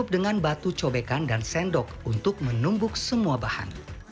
dan juga ada sendok untuk menumbuk semua bahan